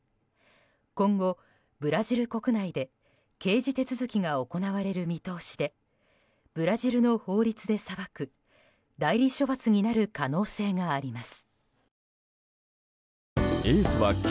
今後ブラジル国内で刑事手続きが行われる見通しでブラジルの法律で裁く代理処罰になる可能性があります。